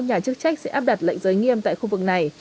nhà chức trách sẽ áp đặt lệnh giới nghiêm tại khu vực này